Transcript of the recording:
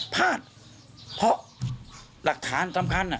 พลาดเพราะหลักฐานสำคัญ